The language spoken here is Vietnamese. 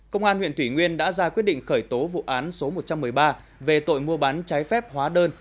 công an huyện thủy nguyên đã ra quyết định khởi tố vụ án số một trăm một mươi ba về tội mua bán trái phép hóa đơn